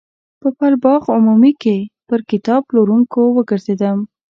په پل باغ عمومي کې پر کتاب پلورونکو وګرځېدم.